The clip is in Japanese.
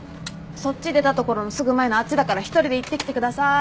そっち出たところのすぐ前のあっちだから一人で行ってきてください。